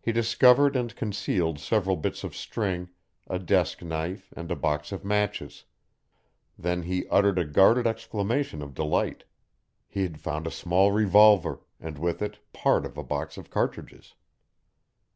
He discovered and concealed several bits of string, a desk knife, and a box of matches. Then he uttered a guarded exclamation of delight. He had found a small revolver, and with it part of a box of cartridges.